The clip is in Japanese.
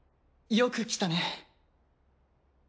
よく来たね。